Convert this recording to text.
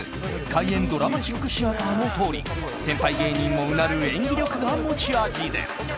「怪演ドラマチックシアター」のとおり先輩芸人もうなる演技力が持ち味です。